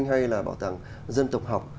hay là bảo tàng dân tộc học